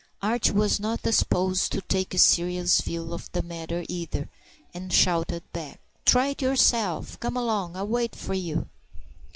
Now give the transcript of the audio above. Archie was not disposed to take a serious view of the matter either, and shouted back, "Try it yourself. Come along; I'll wait for you."